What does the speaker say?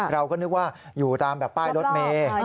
เราก็นึกว่าอยู่ตามแบบป้ายรถเมย์